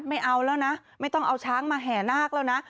ไม่เอาแล้วนะไม่ต้องเอาช้างมาแห่นาคแล้วนะ